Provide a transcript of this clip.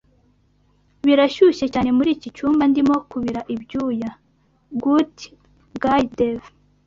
Birashyushye cyane muri iki cyumba ndimo kubira ibyuya. (goodguydave)